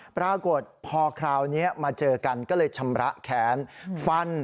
ปรากฏพอคราวนี้มาเจอกันก็เลยชำระแค้นฟัน